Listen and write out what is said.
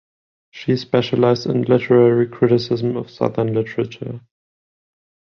She specialized in literary criticism of Southern literature.